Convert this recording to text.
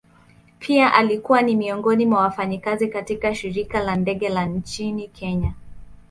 Pia alikuwa ni miongoni mwa wafanyakazi katika shirika la ndege la nchini kenya.